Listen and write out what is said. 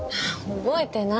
覚えてない。